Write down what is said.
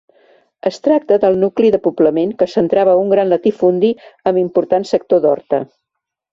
Es tracta del nucli de poblament que centrava un gran latifundi amb important sector d'horta.